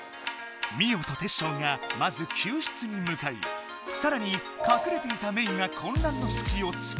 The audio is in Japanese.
ミオとテッショウがまず救出にむかいさらにかくれていたメイがこんらんのすきをつく。